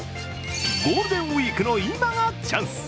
ゴールデンウイークの今がチャンス